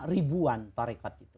ribuan tarikat itu